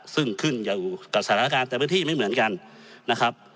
ซึ่งขึ้นอยู่กับสถานการณ์แต่พื้นที่ไม่เหมือนกันนะครับ